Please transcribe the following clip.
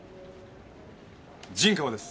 陣川です。